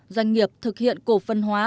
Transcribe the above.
doanh nghiệp thực hiện cổ phần hóa